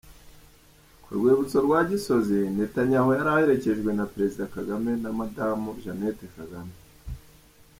Ku rwibutso rwa Gisozi, Netanyahu yari aherekejwe na Perezida Kagame na Madamu Jeannette Kagame.